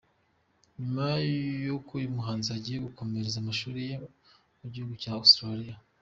Nyuma y’uko uyu muhanzi Agiye gukomereza amashuli ye mu gihugu cya Australie.